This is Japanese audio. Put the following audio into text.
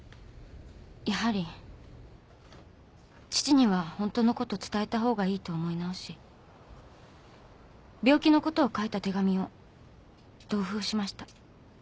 やはり父にはホントのこと伝えたほうがいいと思い直し病気のことを書いた手紙を同封しました。